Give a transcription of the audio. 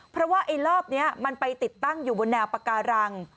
เพราะว่าไอ้รอบนี้มันไปติดตั้งอยู่บนแนวปาการัง